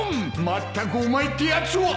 まったくお前ってやつは！